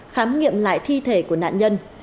khám nghiệm lại thi thể của nạn nhân